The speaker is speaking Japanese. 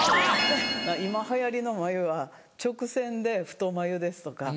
今流行りの眉は直線で太眉ですとか。